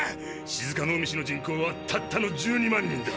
静かの海市の人口はたったの１２万人だ。